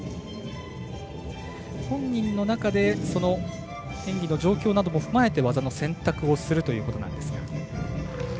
本人の中で演技の状況などもふまえて技の選択をするということなんですが。